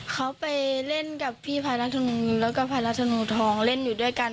เขาไปเล่นกับพี่พายนัทธนงแล้วก็พายราชนูทองเล่นอยู่ด้วยกัน